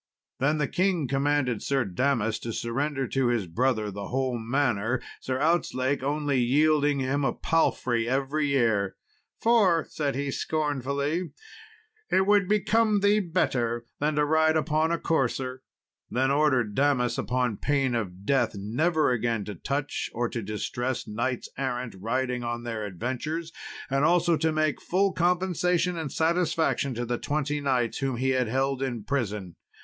Then the king commanded Sir Damas to surrender to his brother the whole manor, Sir Outzlake only yielding him a palfrey every year; "for," said he scornfully, "it would become thee better to ride on than a courser;" and ordered Damas, upon pain of death, never again to touch or to distress knights errant riding on their adventures; and also to make full compensation and satisfaction to the twenty knights whom he had held in prison.